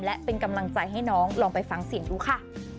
และเป็นกำลังใจให้น้องลองไปฟังเสียงดูค่ะ